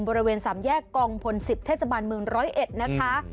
บริเวณสามแยกกองพล๑๐เทศบาลเมือง๑๐๑นะคะ